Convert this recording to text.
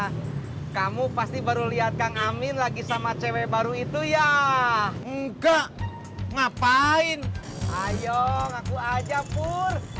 hai kamu pasti baru lihat kang amin lagi sama cewek baru itu ya nggak ngapain ayo aku aja pur kamu seguaskan